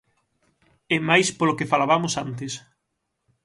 E máis polo que falabamos antes.